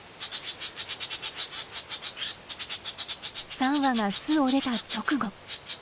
３羽が巣を出た直後。